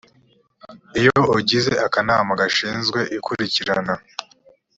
iyo ugize akanama gashinzwe ikurikirana